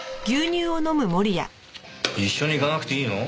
一緒に行かなくていいの？